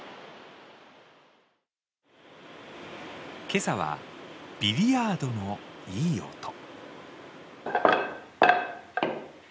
今朝はビリヤードのいい音。